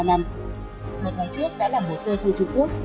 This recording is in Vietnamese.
một tháng trước đã là một sơ sư trung quốc